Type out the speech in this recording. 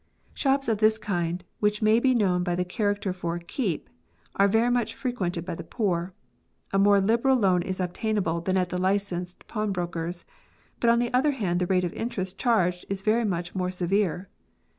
Shops of this kind, which may be known by the character for A:eep, are very much frequented by the poor. A more liberal loan is obtainable than at the licensed pawnbroker's, but on the other hand the rate of interest charged is very much more severe.